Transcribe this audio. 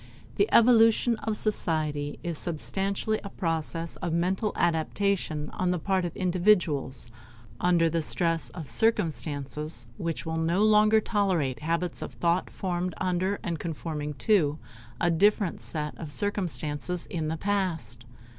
The evolution of society is substantially a process of mental adaptation on the part of individuals under the stress of circumstances which will no longer tolerate habits of thought formed under and conforming to a different set of circumstances in the past.